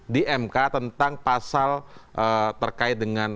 di mk tentang pasal terkait dengan